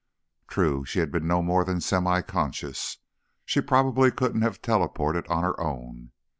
True, she had been no more than semiconscious. She probably couldn't have teleported on her own.